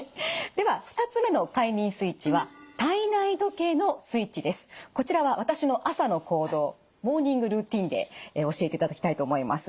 では２つ目の快眠スイッチはこちらは私の朝の行動モーニングルーティンで教えていただきたいと思います。